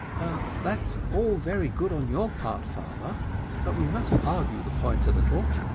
"That's all very good on your part, father, but we must argue the point a little.